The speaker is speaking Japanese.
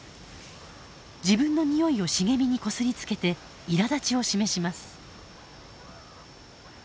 自分のにおいを茂みにこすりつけていらだちを示します。